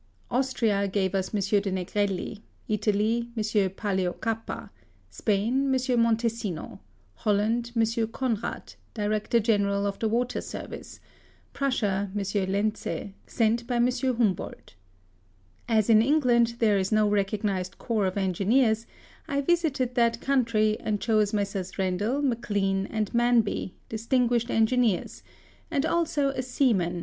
Austria gave us M. de Negrelli ; Italy, M. Paleocapa ; Spain, M. Montesino ; Holland, M. Gonrad, Director general of the Water Service; Prussia, M. Lentzd, sent by M. Humboldt. As in England there is no re cognised corps of engineers, I visited that country, and chose Messrs Rendel, Maclean, and Manby, distinguished engineers; and also a seaman.